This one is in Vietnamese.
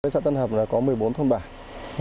sã tân hập có một mươi bốn thôn bảng